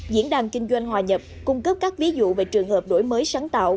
diễn đàn kinh doanh hòa nhập cung cấp các ví dụ về trường hợp đổi mới sáng tạo